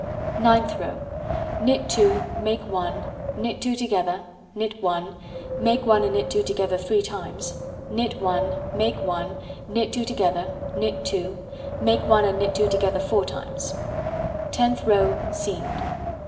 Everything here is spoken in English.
Ninth row: Knit 2, make 1, knit 2 together, knit 1 (make 1 and knit 2 together three times), knit 1, make 1, knit 2 together, knit 2 (make 1 and knit 2 together four times). Tenth row: Seamed.